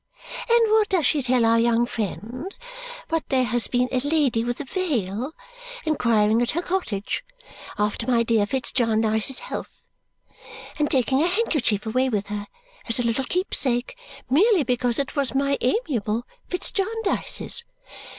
And what does she tell our young friend but that there has been a lady with a veil inquiring at her cottage after my dear Fitz Jarndyce's health and taking a handkerchief away with her as a little keepsake merely because it was my amiable Fitz Jarndyce's!